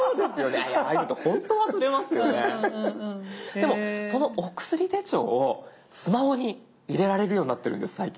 でもそのお薬手帳をスマホに入れられるようになってるんです最近。